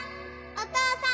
お父さん！